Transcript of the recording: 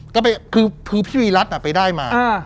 คือพี่วิรัฐไปได้มา